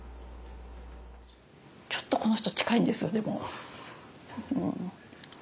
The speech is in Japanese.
ちょっとこの人近いんですよでも。